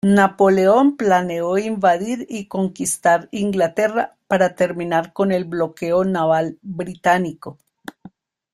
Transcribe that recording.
Napoleón planeó invadir y conquistar Inglaterra para terminar con el bloqueo naval británico.